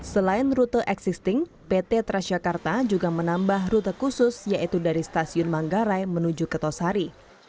selain rute existing pt transjakarta juga menambah rute khusus yaitu dari stasiun manggarai menuju ketosari